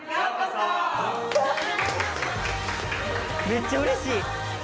めっちゃうれしい！